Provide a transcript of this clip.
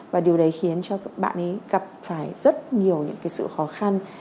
và điều đấy khiến cho các bạn ấy gặp phải rất nhiều những cái sự khó khăn